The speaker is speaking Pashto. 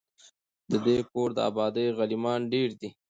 د دې کور د آبادۍ غلیمان ډیر دي